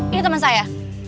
ini temen saya